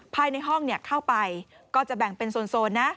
ภายในห้องเข้าไปก็จะแบ่งเป็นโซนนะ